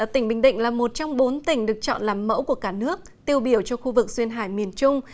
tỉnh bình định là một trong bốn tỉnh được chọn làm mẫu của cả nước tiêu biểu cho khu vực xuyên hải miền trung